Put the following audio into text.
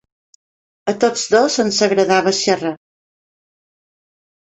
A tots dos ens agradava xerrar.